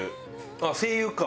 あっ声優か。